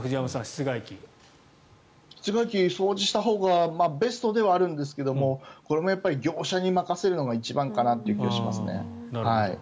室外機は掃除したほうがベストではあるんですがこれもやっぱり業者に任せるのが一番かなという気がしますね。